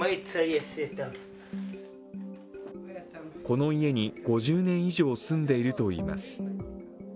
この家に５０年以上住んでいるといいます。